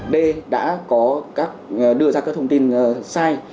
d đã đưa ra các thông tin sai